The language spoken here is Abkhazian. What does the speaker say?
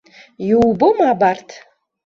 Иубома абарҭ?